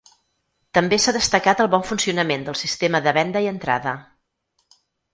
També s’ha destacat el bon funcionament del sistema de venda i entrada.